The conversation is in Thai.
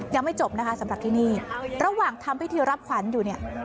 ยังไม่จบนะคะสำหรับที่นี่ระหว่างทำพิธีรับขวัญอยู่เนี่ย